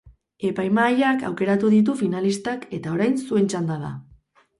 Epaimahaiak aukeratu ditu finalistak, eta orain zuen txanda da.